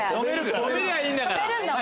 止めりゃあいいんだから。